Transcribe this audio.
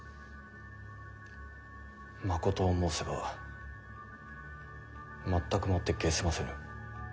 まことを申せば全くもって解せませぬ。